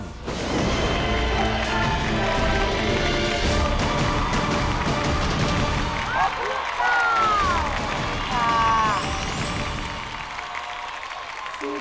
ขอบคุณค่ะ